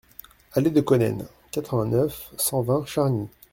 Allée de Konen, quatre-vingt-neuf, cent vingt Charny